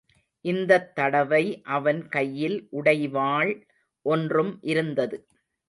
இந்தத் தடவை அவன் கையில் உடைவாள் ஒன்றும் இருந்தது.